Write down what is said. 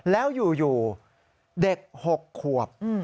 แล้วอยู่เด็ก๖ขวบ